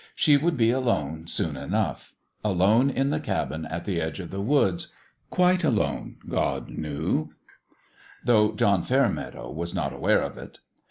She would be alone, soon enough alone in the cabin at the edge of the woods quite alone God knew 1 though John Fairmeadow was not aware of it.